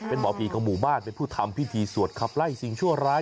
เป็นหมอผีของหมู่บ้านเป็นผู้ทำพิธีสวดขับไล่สิ่งชั่วร้าย